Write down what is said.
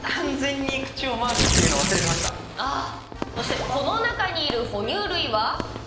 そしてこの中にいる哺乳類は？